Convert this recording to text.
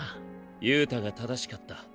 憂太が正しかった。